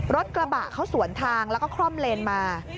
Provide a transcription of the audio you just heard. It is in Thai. รถกระบะเขาสวนทางแล้วก็คล่อมเลนมา